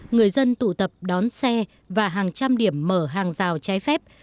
người dân tụ tập đón xe và hàng trăm điểm mở hàng rào trái phép